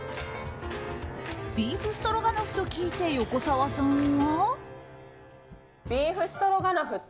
ビーフストロガノフと聞いて横澤さんは。